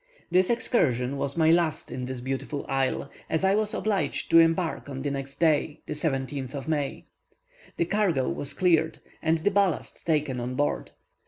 This excursion was my last in this beautiful isle, as I was obliged to embark on the next day, the 17th of May. The cargo was cleared, and the ballast taken on board.